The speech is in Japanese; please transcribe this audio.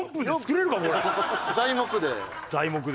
材木で。